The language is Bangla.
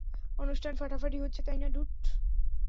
অনুষ্ঠান ফাটাফাটি হচ্ছে, তাই না ড্যুড?